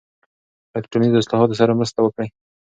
له ټولنیزو اصلاحاتو سره مرسته وکړئ.